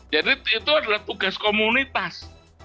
jadi itu adalah tugas komunitas